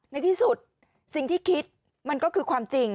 ในที่สุดสิ่งที่คิดมันก็คือความจริง